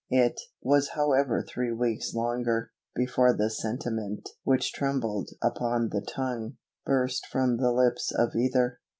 It was however three weeks longer, before the sentiment which trembled upon the tongue, burst from the lips of either.